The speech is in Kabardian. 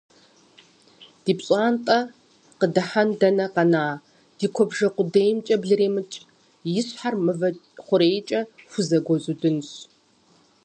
Ди пщӏантӏэ къыдыхьэн дэнэ къэна, ди куэбжэ къудеймкӏэ блыремыкӏ, и щхьэр мывэ хъурейкӏэ хузэгуэзудынщ.